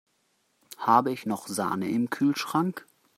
Habe ich noch Sahne im Kühlschrank?